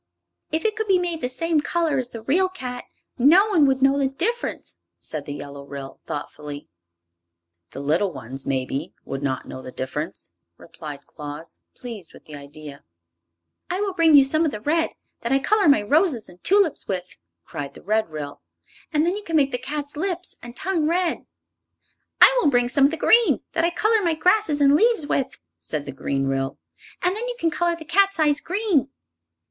"If it could be made the same color as the real cat, no one would know the difference," said the Yellow Ryl, thoughtfully. "The little ones, maybe, would not know the difference," replied Claus, pleased with the idea. "I will bring you some of the red that I color my roses and tulips with," cried the Red Ryl; "and then you can make the cat's lips and tongue red." "I will bring some of the green that I color my grasses and leaves with," said the Green Ryl; "and then you can color the cat's eyes green."